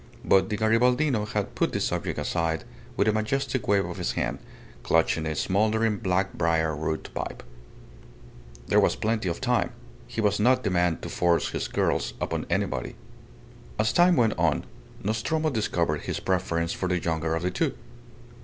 But the Garibaldino had put the subject aside with a majestic wave of his hand, clutching a smouldering black briar root pipe. There was plenty of time; he was not the man to force his girls upon anybody. As time went on, Nostromo discovered his preference for the younger of the two.